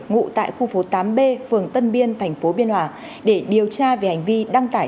ngụ tại khu phố tám b phường tân biên tp biên hòa để điều tra về hành vi đăng tải